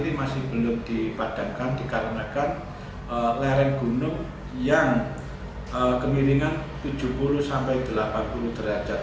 ini masih belum dipadamkan dikarenakan lereng gunung yang kemiringan tujuh puluh sampai delapan puluh derajat